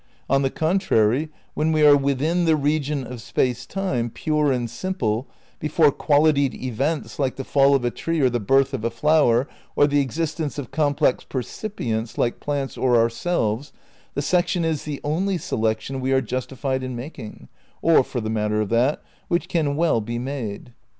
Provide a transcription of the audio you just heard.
On the contrary, when we are "within the region of Space Time pure and simple, before qualitied events like the fall of a tree or the birth of a flower, or the existence of complex percipients like plants or ourselves," the section is the only selection we are justified in making, or for the matter of that, which can well be made.